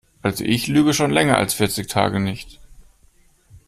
Also ich lüge schon länger als vierzig Tage nicht.